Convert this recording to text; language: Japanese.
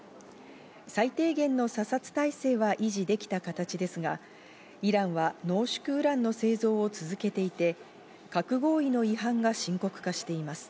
最低限の査察体制は維持できた形ですが、イランは濃縮ウランの製造を続けていて、核合意の違反が深刻化しています。